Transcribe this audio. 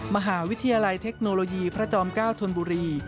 มหาวิทยาลัยเทคโนโลยีพระจอม๙ธนบุรี